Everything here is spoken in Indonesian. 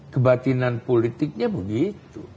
kebatinan politiknya begitu